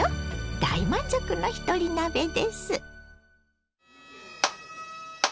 大満足のひとり鍋です。